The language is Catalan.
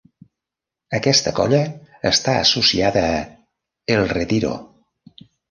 Aquesta colla està associada a El Retiro.